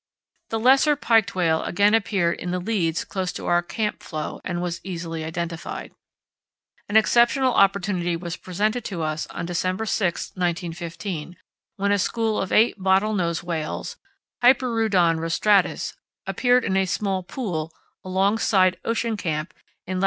The lesser piked whale again appeared in the "leads" close to our "camp" floe, and was easily identified. An exceptional opportunity was presented to us on December 6, 1915, when a school of eight bottlenose whales (Hyperoodon rostratus) appeared in small "pool" alongside "Ocean" Camp in lat.